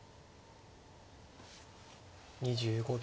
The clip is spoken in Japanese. ２５秒。